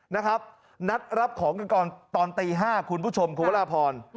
นะครับนัดรับของกันก่อนตอนตี๕คุณผู้ชมคุณพระราพร